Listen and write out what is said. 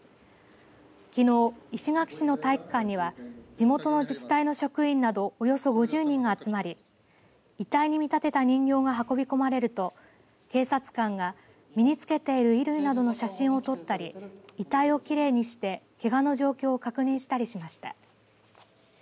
きのう石垣市の体育館には地元の自治体の職員などおよそ５０人が集まり遺体に見立てた人形が運び込まれると警察官が身に着けている衣類などの写真を撮ったり遺体をきれいにしてけがの状況を確認したりしました。